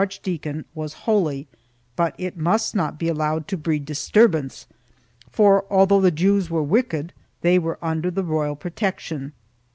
Ill] THE MASSACRES OF 1391 105 deacon was holy, but it must not be allowed to breed disturbance for, although the Jews were wicked, they were under the royal protection.